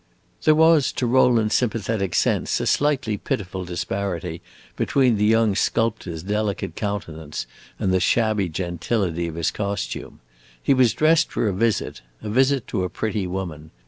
There was to Rowland's sympathetic sense a slightly pitiful disparity between the young sculptor's delicate countenance and the shabby gentility of his costume. He was dressed for a visit a visit to a pretty woman.